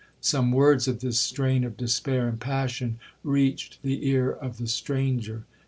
Some words of this strain of despair and passion reached the ear of the stranger.